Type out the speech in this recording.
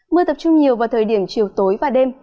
mưa tập trung nhiều vào thời điểm chiều tối và đêm